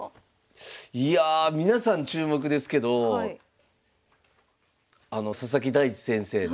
いや皆さん注目ですけどあの佐々木大地先生ね。